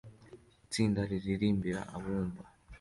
Itsinda riririmbira abumva